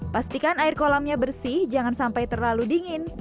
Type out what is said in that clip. pastikan air kolamnya bersih jangan sampai terlalu dingin